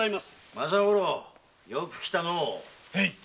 政五郎よく来たの。